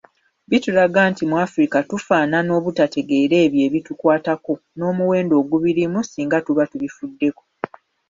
Bitulaga nti mu Africa tufaanana obutategeera ebyo ebitukwatako n’omuwendo ogubirimu singa tuba tubifuddeko.